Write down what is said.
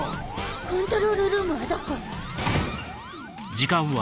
コントロールルームはどこ？